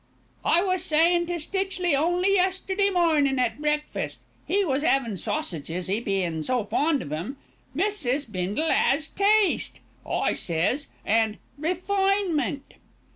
"I was sayin' to Stitchley only yesterday mornin' at breakfast he was 'avin' sausages, 'e bein' so fond of 'em 'Mrs. Bindle 'as taste,' I says, 'and refinement.'"